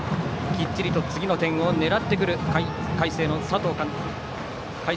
きっちりと次の点を狙ってくる海星の加藤監督。